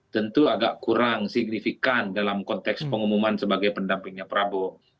tentu agak kurang signifikan dalam konteks pengumuman sebagai pendampingnya prabowo